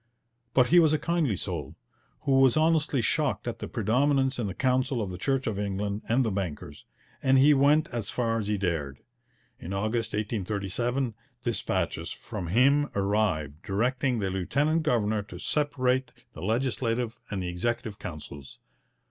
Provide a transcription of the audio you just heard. But he was a kindly soul, who was honestly shocked at the predominance in the Council of the Church of England and the bankers, and he went as far as he dared. In August 1837 dispatches from him arrived, directing the lieutenant governor to separate the Legislative and the Executive Councils.